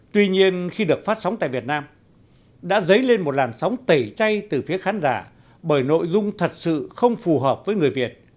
tuy nhiên khi được phát sóng tại việt nam đã dấy lên một làn sóng tẩy chay từ phía khán giả bởi nội dung thật sự không phù hợp với người việt